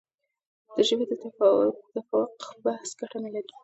د ژبې د تفوق بحث ګټه نه لري.